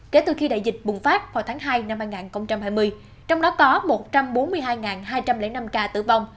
kể từ khi đại dịch bùng phát vào tháng hai năm hai nghìn hai mươi trong đó có một trăm bốn mươi hai hai trăm linh năm ca tử vong